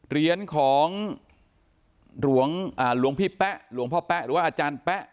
เหรียญของหลวงพี่แป๊ะหลวงพ่อแป๊ะหรือว่าอาจารย์แป๊ะ